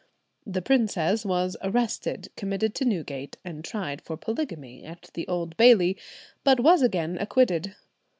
The princess was arrested, committed to Newgate, and tried for polygamy at the Old Bailey, but was again acquitted.